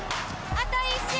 あと１周！